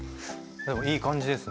でもいい感じですね。